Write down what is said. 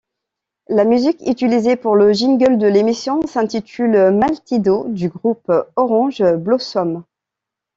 La musique utilisée pour le jingle de l'émission s'intitule Maldito du groupe Orange Blossom.